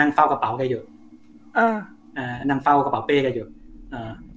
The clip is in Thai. เฝ้ากระเป๋าแกอยู่อ่าอ่านั่งเฝ้ากระเป๋าเป้แกอยู่อ่า